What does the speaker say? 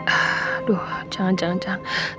aduh jangan jangan jangan